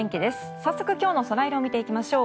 早速、今日のソライロを見ていきましょう。